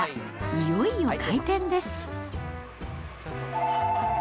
いよいよ開店です。